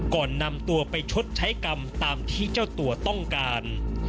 ก่อนนำตัวไปชดใช้กรรมตามที่เจ้าตัวต้องการ